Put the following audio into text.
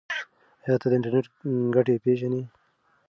ایا ته د انټرنیټ ګټې پیژنې؟